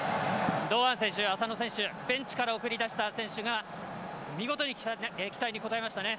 堂安選手、浅野選手ベンチから送り出した選手が見事に期待に応えてくれましたね。